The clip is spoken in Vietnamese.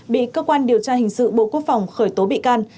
bị cơ quan điều tra hình sự bộ quốc phòng khởi tố bị can